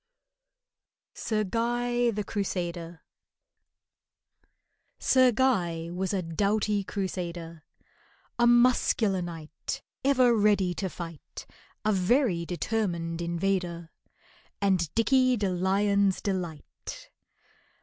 SIR GUY THE CRUSADER SIR GUY was a doughty crusader, A muscular knight, Ever ready to fight, A very determined invader, And DICKEY DE LION'S delight.